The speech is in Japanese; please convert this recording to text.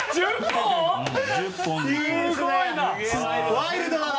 ワイルドだな。